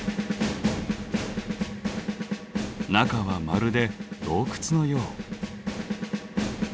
中はまるで洞窟のよう。